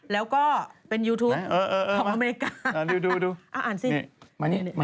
แล้วก็เป็นยูทูปของอเมริกา